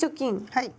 はい。